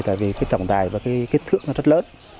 tại vì trọng tài và kích thước rất lớn